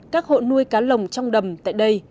các hộ nuôi cá lồng trong đầm tại đây